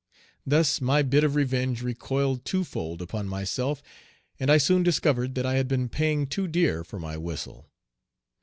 Thus my bit of revenge recoiled twofold upon myself, and I soon discovered that I had been paying too dear for my whistle.